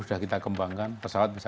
sudah kita kembangkan pesawat bisa